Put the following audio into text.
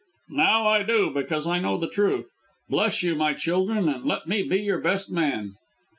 "Now I do, because I know the truth. Bless you, my children, and let me be your best man."